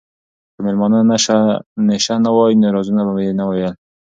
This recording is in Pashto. که مېلمانه نشه نه وای نو رازونه به یې نه ویل.